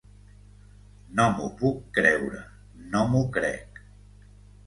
No m’ho puc creure, no m’ho crec.